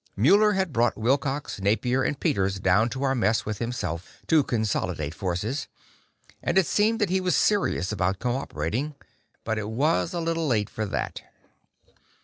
Muller had brought Wilcox, Napier and Peters down to our mess with himself, to consolidate forces, and it seemed that he was serious about cooperating. But it was a little late for that.